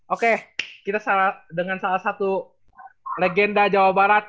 oke kita dengan salah satu legenda jawa barat